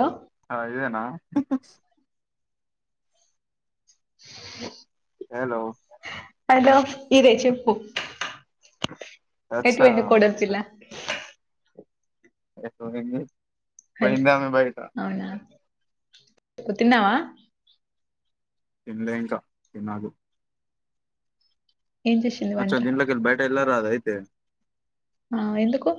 Hello ఆ ఇదేనా [inaudible] hello hello ఇదే చెప్పుూ అచ్చా ఎట్లుంది కొడాలిపిల్లా ఏట్లో ఏంది పోయిందా బయట నువ్వు తిన్నావా తిన్లే ఇంక తినాలి ఏం చేసింది అచ్చ వంట దీంట్లోకి ఎల్లి బయట ఇలార రావే అయితే ఆ ఎందుకు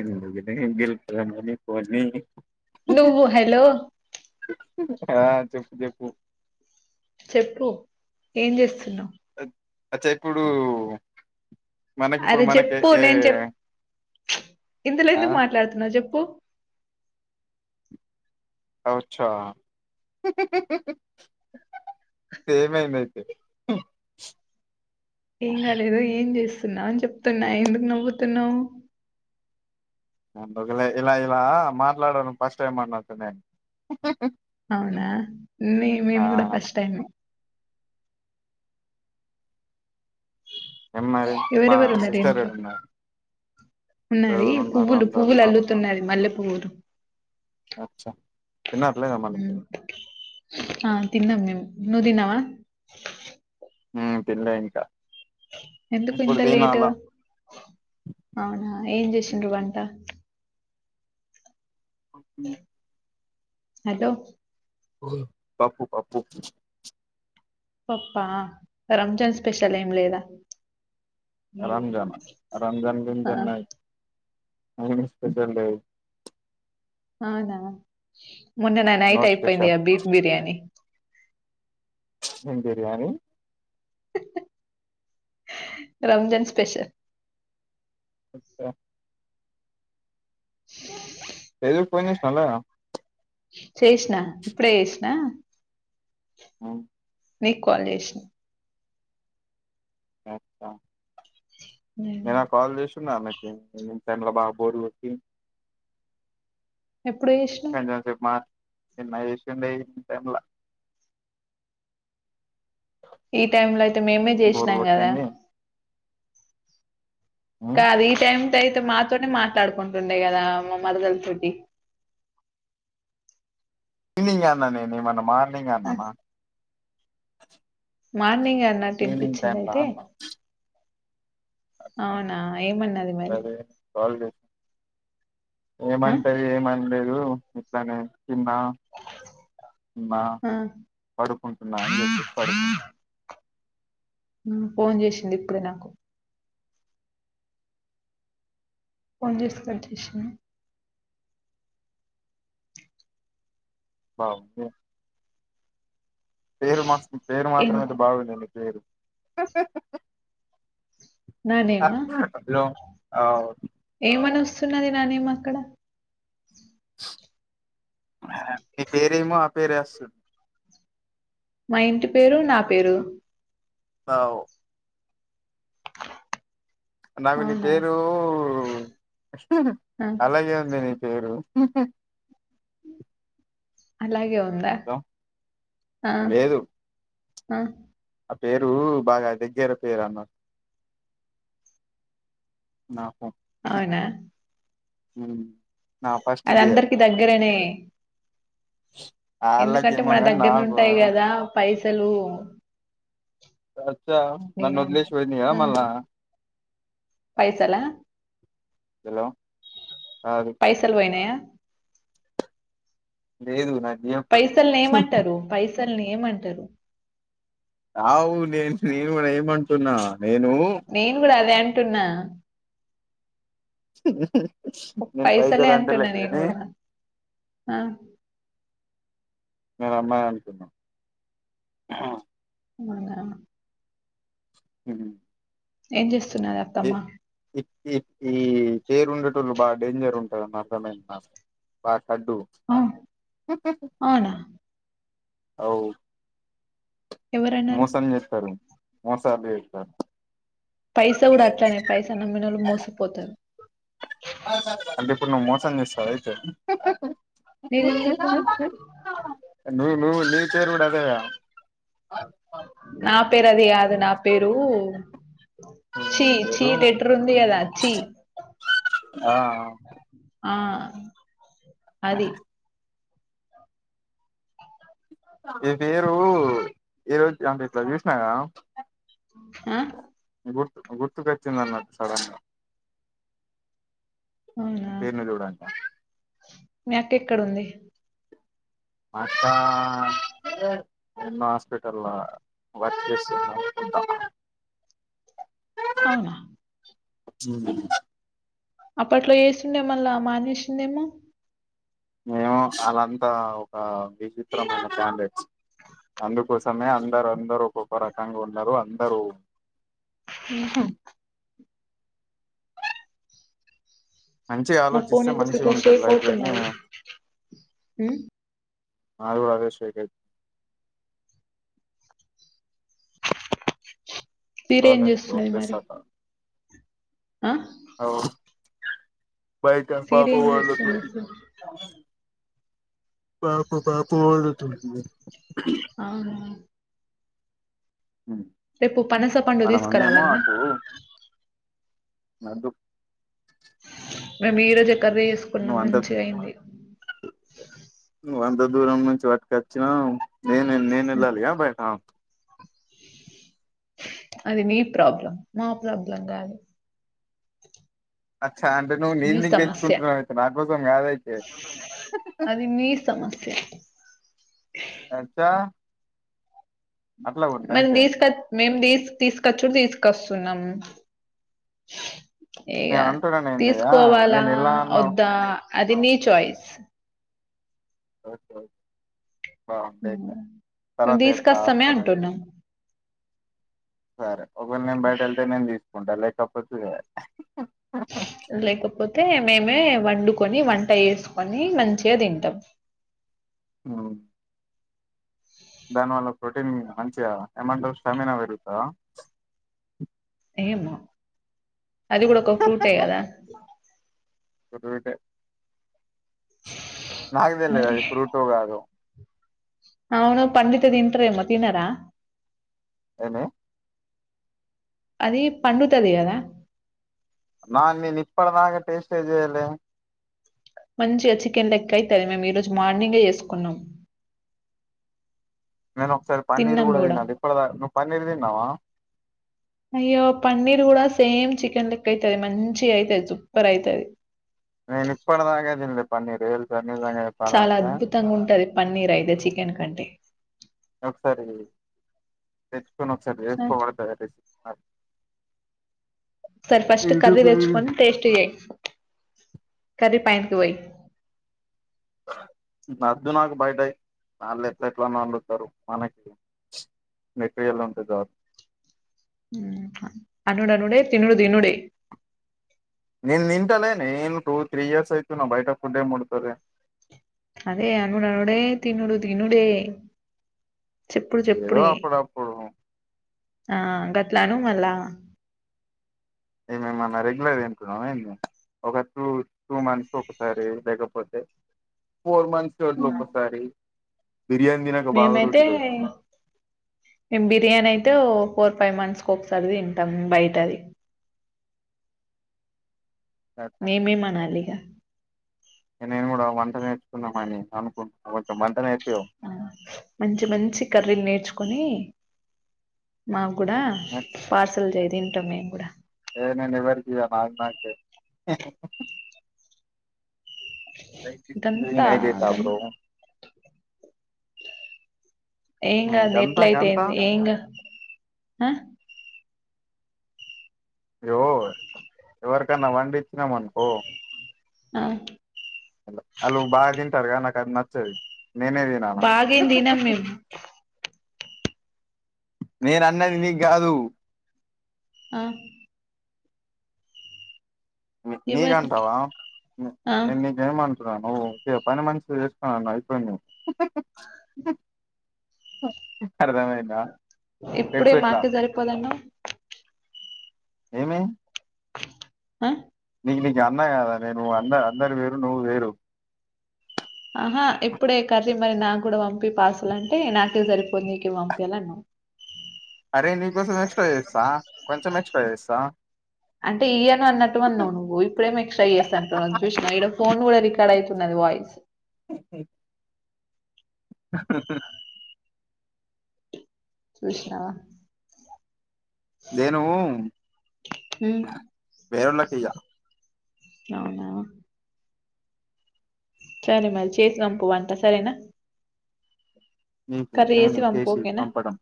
ఎందుకు [inaudible] అనుకొని పోనీ నువ్వు హెలో ఆ చెప్పు చెప్పు చెప్పు ఏం చేస్తున్నా అచ్చే ఇప్పుడు మనకి ఇప్పుడు అరే మనకే చెప్పు ఏ నేను చెప్ ఇందులో ఆ ఎందుకు మాట్లాడుతున్నావ్ చెప్పు ఔ ఛా ఏమైందైతే ఏం కాలేదు ఏం చేస్తున్నా అని చెప్తున్నా ఎందుకు నవ్వుతున్నావు ఉందుకే ఇలా ఇలా మాట్లాడడం ఫస్ట్ టైం అన్నట్టు నేను అవునా మే మేం ఆ కూడా ఫస్ట్ టైమే ఏం మరి మా ఎవరెవరు ఉన్నారు సిస్టర్ ఇంట్లో ఏడున్నార్ ఉన్నది పువ్వులు పువ్వులు అల్లుతున్నది మల్లె పువ్వులు [unintelligible] తిన్నారా లేదా మళ్ళీ ఉమ్, మీరు ఆ తిన్నాం మేము నువ్ తిన్నావా ఊ తిన్లే ఇంకా ఎందుకు ఇప్పుడు ఇంత లేటు తినాల అవునా ఏం జేసిండ్రు వంట అటో పప్పు పప్పు పప్పా రంజాన్ స్పెషల్ ఏం లేదా రంజాన్ ఆ రంజాన్ ఆ కెందుకండి నై ఆయనికి స్పెషల్ డే అవునా మొన్ననా నో నైట్ అయిపోయింది స్పెషల్ గా బీఫ్ బిర్యానీ ఏం బిర్యానీ రంజాన్ స్పెష చెప్పురా ఏదురు ఫోన్ చేసి [unintelligible] చేష్నా ఇప్పుడే ఏష్నా ఔ నీకు కాల్ చేసినా ఉమ్. నేను ఆ కాల్ జేస్ [unintelligible] బోర్ గొటి ఎప్పుడు ఏషినావ్ కొంచెంసేపు మా నిన్న ఏషిండే టైం ల ఈ టైం లో అయితే మేమే బోరు చేసినాం గదా కొట్టింది ఖాళీ టైం దైతే మాతోనే మాట్లాడుకుంటుండే కదా మా మరదల తోటి ఈవినింగ్ అన్నా నేను ఏమన్నా మార్నింగ్ ఆ, అన్నానా మార్నింగ్ అన్నట్టు ఈవినింగ్ ఇన్పిచ్చింది టైమ్ లా అయితే అన్నా అవునా ఏం అన్నది మరి సరే కాల్ చేసి ఆ ఏమంటది ఏం అనలేదు ఇట్లానే తిన్నా తిన్నా ఆ పడుకుంటున్నా అని చెప్పేసి పడుకు ఉమ్ ఫోన్ చేసింది ఇప్పుడే నాకు ఫోన్ చేస్తే కట్ చేసిన మ ము పేరు మార్చుకుని పేరు ఏం మాత్రమైతే బాగుండే నీ పేరు నా నేమా హలో అవ్ ఏమని వస్తున్నది నా నేమ్ అక్కడ మీ పేరేమో ఆ పేరే వస్తది మా ఇంటి పేరు నా పేరు అవు నాకు నీ అవునా పేరు ఆ, అలాగే ఉంది నీ పేరు ఉహు అలాగే ఉందా ఆ లేదు ఆ ఆ పేరు బాగా దగ్గర పేరు అన్నట్టు న అవునా ఉమ్ నా ఫస్ట్ అది డియర్ అందరికి దగ్గరనే [inaudible] ఎందుకంటే వాళ్ళకేమో మన కాని దగ్గర్ను నాకు ఉంటాయి కదా పైసలు కాద్ ఛా నన్ను నేనా వదిలేసి పోయింది గా ఆ, మళ్ళా పైసలా హలో కాదు పైసలు పోయినాయా లేదు నా పైసల్ని ఏమంటారు పైసల్ని ఏమంటారు ఆవు నేను నేను కూడా ఏమంటున్నా నేను నేను కూడా అదే అంటున్నా నేను పైసలే పైసలు అంటలే అంటున్నా నేను కానీ కూడా ఆ నేను అమ్మాయి అనుకున్నా బంగరం ఉహు ఏం చేస్ ఇ ఇ ఇ ఈ పేరు ఉండేటోళ్ళు బాగా డేంజర్ ఉంటారమ్మా రాకు అడ్డూ ఆ, అవునా అవ్ ఎవరన్నారు మోసం చేస్తారు మోసాలు చేయిత్తారు పైసా కూడా అట్లనే పైసా నమ్మిన వాళ్ళు మోసపోతారు అంటే ఇప్పుడు నువ్వు మోసం చేస్తావా అయితే నేనెందుకు నువ్వు నువ్వు నీ పేరు కూడా అదేగా నా పేరు అది కాదు నా పేరు చీ నీ ఛీ పేరు డెటర్ ఉంది కదా చీ ఆ ఆ ఆ అది ఈ పేరు ఏ రోజు అంటే ఇట్లా చూసినాగా ఆ గుర్తు గుర్తుకొచ్చిందన్నట్టు సడన్ గా అవునా పేరును చూడండి మీ అక్క ఎక్కడుంది అక్కా అంటే ఉన్న హాస్పిటల్ వర్క్ చేస్తుంది అనుకుంటా అవునా ఉమ్మ్ అప్పట్లో చెస్తుండే మళ్ళా మానేసిందేమో ఏమే అలాంతా ఒక విచిత్రమైన క్యాండెట్ అందుకోసమే అందరు అందరు ఒకొక్క రకంగా ఉన్నారు అందరూ హు మంచిగ నా ఫోన్ ఆలోచిస్తే ఎందుకు మంచిగ ఇట్లా ఉంటది షేక్ లైఫ్ గని అవుతున్నది ఉమ్ మదీ కూడ అదే షేక్ సీరి ఏం సాలన్ కో చేస్తున్నది మరి బెసాత ఆ అవ్ బైట పాప సీరి ఏం చేస్తుంది పండుకుంది పాప పాప పండు తుంది అవున రేపు పానస పండు వాళ్ళ తీసుక మమ్మీ రావాల్నా అద్దు మీము ఈ రోజే కర్రీ చేసుకున్నాం నువ్వు అంత మంచిగా అయింది నువ్వు అంత దూరం నుంచి పట్టుకొచ్చినా నేను నేను వెళ్ళాలిగా బయట అది నీ ప్రాబ్లం మా ప్రాబ్లం కాదు చా అంటే నువ్వు నీ నీక్ నిక్ సమస్య తెచ్చుకుంటున్నావ్ అయితే నాకోసం కాదయితే అది మీ సమస్య అచ్చ మేం తీస్క్ మేం తీస్ తీసుకచ్చుడు తీసుకొస్తున్నాము ఇగ నేను అంటున్నాను ఏంది ఆ తీసుకోవాలా నేను ఎలా అన్నావు వద్దా అది నీ చాయిస్ ఓకేే ఆ మేము తర్వరత చెప్తా తీసుకొస్తామే ఆప్షన్తే అంటున్నాం సరే ఒకవేళ నేను బయట వెళ్తే నేను తీసుకుంటా లేకపోతే లేకపోతే మేమే వండుకొని వం ట చేేసుకొని మంచిగా తింటాం హు దానివల్ల ప్రోటీన్ మంచిగ ఏ మంటారు స్టామినా పెరుగుతదా ఏమో అది కూడా ఒక ఫ్రూటే కదా ఫుడ్ బిడే నాక్ తెల్వది మరి అది ఫ్రూట్గా కాదో అవును పండితె తింటారేమో తినార ఏమి అది పండు తది కదా నాీ నిన్ ఇప్పడి దాక టేస్ట్ ఏ చెయలే మంచిగా చికెన్ లెక్క అయితది మేము ఈ రోజు మార్నింగే చేసుకున్నాం నేను ఒకసారి పన్నీర్ కూడా తినాలి ఇప్పుడ్ దక్ నువ్వు పన్నీర్ తిన్నావా అయ్యో పన్నీర్ కూడా సేమ్ చికెన్ లెక్క అయితది మంచిగ అయితది సూపర్ అయితది నేను ఇప్పడిదక తినలే పన్నీరు తెల్సా చాలా అద్భుతంగా ఉంటది పన్నీర్ అయితే చికెన్ కంటే ఒకసారి తెచ్చుకొని ఒకసారి వేసుకోబడు తయార్ అ సరి ఫస్ట్ కర్రీ తెచ్చకొని టేస్ట్ చెయ్ కర్రి ప్యాంటుక్ పోయి [unintelligible] నద్దు నాకు బయటయ్ వాళ్ళు ఎట్ల ఎట్లానో అండుతారు మనక్ మెటీరియల్ ఉంటే చార్ మ్ హ అనుడనుడే తిన్నుడు తినుడే నేను నింటలేేనే ను టూ త్రీ ఇయర్స్ అయితున్న బయట ఫుడ్ ఏం ముడుతలేను అదే అనుడనుడే తిన్నడు తిన్నుడే ఏదో అప్పుడప్పుడు ఆ గట్లాను మళ్ల్ళా ఏంది మేమన్నా రెగ్యులర్గా తింటున్నామా ఏంది ఒక టూ టూ మంత్స్ ఒకసారి లేకపోతే ఫోర్ మంత్స్ [inaudible] ఒకసారి బిర్యానీ తినక బాగా మేమైతే రోజులు అయితుంది మేం బిర్యానీ అయితే ఓ ఫోర్ ఫైవ్ మంత్స్ కు ఒకసారి తింటాం బయట అది మేమే అనాలి ఇహ నేను కూడా వంట నేర్చుకుంన్నామని అనుకుంటున్నా కొంచెం వంట నేర్పి మంచి మంచి కర్రీలు నేర్చుకుని మాకు గుడా పార్సల్ చేయ తింటాం మేము గూడ నేనెవరికీ చేయ నాకు నాకే [unintelligible] ఇదంతా నైదేత గం బ్రో ఏం గాదులె ఎట్ల గంతా గంతా అయితేఏంది ఏంగా ఆ అయో ఎవరికైన్నా వండిచ్చినామనుకో ఆ అలు బాగా తింటారు గా నాకు అది నచ్చది నేనే దినాల బాగేం తినం మేము నేను అన్నది నీకు కాదు ఆ నీగ ఎవరికి అంటావా ఆ నేను నీకే మం న్నాను కే పని మనిషి చేస్తున్నావ్ అయిపెయింది నువు అరదమైంద ఇప్పుడే పెట్టుకో ఇట్లా మాకే సరిపోదన్నవ్ ఏమైంది ఆ నేను నీకు అన్నయ కదా నేను అంద అందరు వేరు నువ్వు వేరు ఆహా ఇప్పుడే కర్రీ మరి నా గూడా పంపి పార్సిల్ అంటే నాకే సరిపోదు నీకేం పంపియలి అన్నవ్ అరే నీకోసం ఎక్స్ట్రా చేస్తా కొంచెం ఎక్స్ట్రా చేస్తా అంటే ఇయ్యను అన్నట్టు అన్నావు నువ్వు ఇప్పుడే మో ఎక్స్ట్రా చేస్తంటావు అది చూసిన ఇతుడ ఫోన్ కూడా రికార్డ్ అయి యున్నది వాయిస్ [unintelligible] [unintelligible] చూషినావా నేనూ ఉమ్ వేరోళ్ళకియ్యా అవునా సరే మరి చేసినం పోవంట సరేనా నీకు కర్రీ నేను పంపు చేసి ఓకేనా పంపడం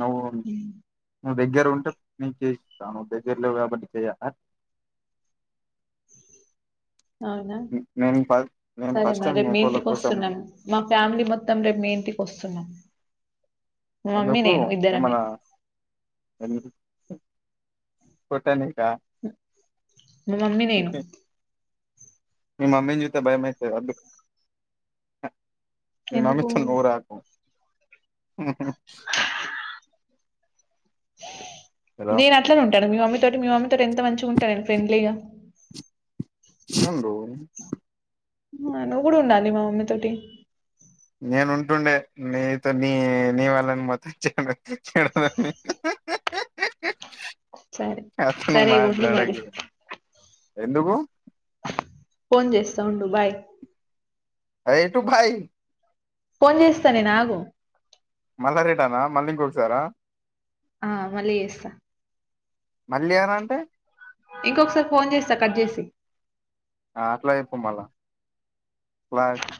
నవ్వు నువ్వు దగ్గర ఉంటే నీకు చేయిస్తా నువ్వు దగ్గరలేవు కాబట్టి చేయా ఆ అవునా [unintelligible] నేను సరే ఫస్ట్ మరి టైం రేపు మీ ఒకళ్ళ ఇంటికి కోసం వస్తున్నాం మా ఫ్యామిలీ మొత్తం రేపు మీ ఇంటికి వస్తున్నాం మా మమ్మీ ఎందుకు నేను ఇద్దరమే ఏమన్నా ఎందు కొట్టానే మీ మమ్మీ నేను మీ మమ్మీ నాది చూతే బయమైతది అందుకు అ ని ఎందుకు మమ్మీతోని నువ్వు రాకు మ్ కదా. నేను అట్లనే ఉంటాను మీ మమ్మీ తోటి మీ మమ్మీ తోటి ఎంత మంచిగా ఉంటా నేను ఫ్రెండ్లీగా ఉండూ నువ్వు గూడా ఉండాలి మా మమ్మీ తోటి నేను ఉంటుండే నీతో నీ నీ వాళ్ళని మొత్తంచ్చడగ సరే [inaudible] అతను సరే ఇగ ఉండు మరి మాట్లాడకు ఇగ ఎందుకు ఫోన్ చేస్తా ఉండు బై ఏటు భై ఫోన్ చేస్తాను, నేను ఆగు మళ్లీ రిటర్న్ ఆ మళ్లీ ఇంకోసారి ఆ ఆ మళ్ళీ చేస్తా మళ్ళీ ఏరా అంటే ఇంకొకసారి ఫోన్ చేస్తా కట్ చేసి ఆ అట్లా చెప్పు, మల్ల క్లారిటీ